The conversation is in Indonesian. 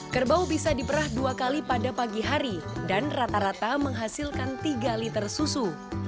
kerbau bisa diperah dua kali pada pagi hari dan rata rata menghasilkan tiga liter susu